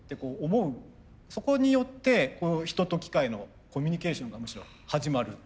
そこによって人と機械のコミュニケーションがむしろ始まる。